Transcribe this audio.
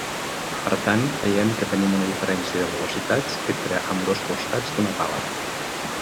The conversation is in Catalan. Per tant veiem que tenim una diferència de velocitats entre ambdós costats d'una pala.